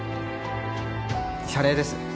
謝礼です。